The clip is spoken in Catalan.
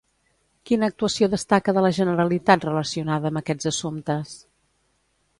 Quina actuació destaca de la Generalitat relacionada amb aquests assumptes?